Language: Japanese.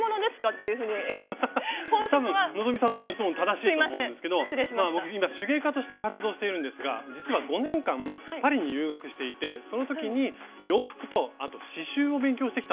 多分希さんのその質問正しいと思うんですけど僕今手芸家として活動しているんですが実は５年間パリに留学していてその時に洋服とあと刺しゅうを勉強してきたんですね。